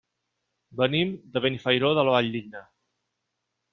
Venim de Benifairó de la Valldigna.